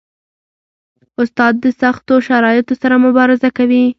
استاد د سختو شرایطو سره مبارزه کوي.